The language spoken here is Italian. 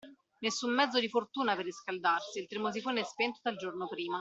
Nessun mezzo di fortuna per riscaldarsi e il termosifone spento dal giorno prima